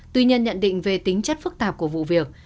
tuy nhiên nhận định về tính chất phức tạp của vụ việc